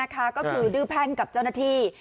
ก็คือดื้อแพ่งกับเจ้าหน้าที่